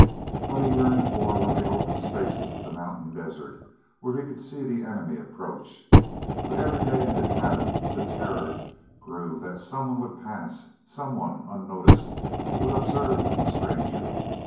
What he yearned for were the open spaces of the mountain desert, where he could see the enemy approach. But every day in the cabin the terror grew that someone would pass, some one, unnoticed, would observe the stranger.